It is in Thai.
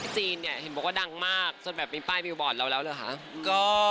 จีนเห็นบอกว่าดังมากส่วนแบบมีป้ายมิวบอร์ดเราแล้วหรือคะ